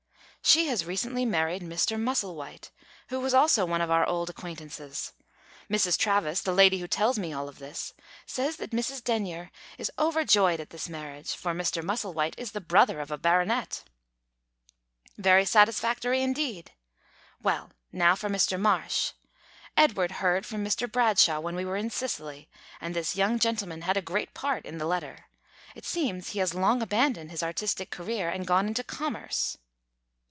"She has recently married Mr. Musselwhite, who was also one of our old acquaintances. Mrs. Travis the lady who tells me all this says that Mrs. Denyer is overjoyed at this marriage, for Mr. Musselwhite is the brother of a baronet!" "Very satisfactory indeed. Well, now for Mr. Marsh. Edward heard from Mr. Bradshaw when we were in Sicily, and this young gentleman had a great part in the letter. It seems he has long abandoned his artistic career, and gone into commerce."